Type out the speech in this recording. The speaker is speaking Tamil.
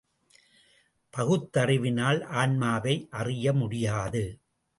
பகுத்தறிவினால் ஆன்மாவை அறிய முடியாது.